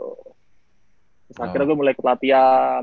terus akhirnya gue mulai kelatihan